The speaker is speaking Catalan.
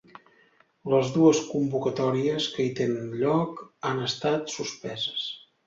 Les dues convocatòries que hi tenen lloc han estat suspeses.